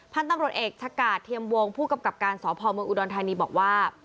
พันธุ์ตำรวจเอกชะกาดเทียมวงผู้กำกับการสพเมืองอุดรธานีบอกว่า